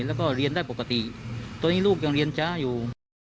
แล้วก็เรียนได้ปกติตอนนี้ลูกยังเรียนช้าอยู่